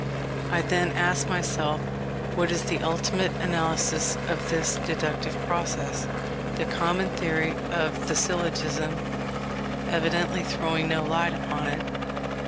I then asked myself, what is the ultimate analysis of this deductive process; the common theory of the syllogism evidently throwing no light upon it.